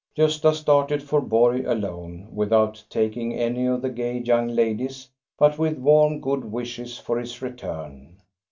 Gosta started for Borg alone, without taking any of the gay young ladies, but with warm good wishes for his return.